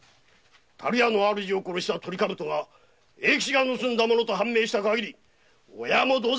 樽屋の主を殺したトリカブトが永吉が盗んだものと判明したかぎり親も同罪だ！